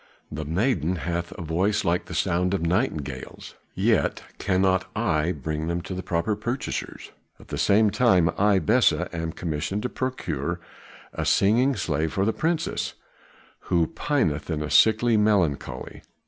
The maiden hath a voice like to the sound of nightingales; yet cannot I bring them to the proper purchasers.' At the same time I, Besa, am commissioned to procure a singing slave for the princess, who pineth in a sickly melancholy.